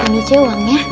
ini c uangnya